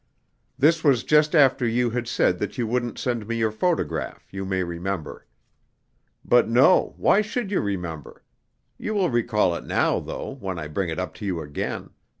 This was just after you had said that you wouldn't send me your photograph, you may remember. But no, why should you remember? You will recall it now, though, when I bring it up to you again.